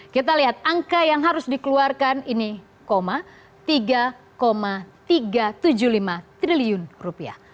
kita lihat angka yang harus dikeluarkan ini tiga tiga ratus tujuh puluh lima triliun rupiah